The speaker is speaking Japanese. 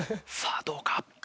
さあどうか？